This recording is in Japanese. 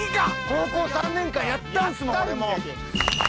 高校３年間やったんすもん俺も。